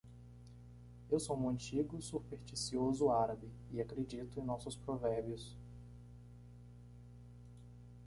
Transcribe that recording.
Eu sou um antigo? supersticioso árabe? e acredito em nossos provérbios.